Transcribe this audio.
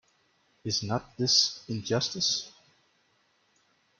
Is not this injustice?